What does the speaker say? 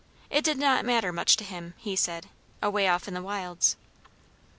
It did not matter much to him, he said, away off in the wilds.